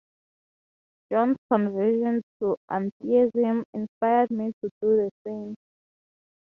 John's conversion to atheism inspired me to do the same.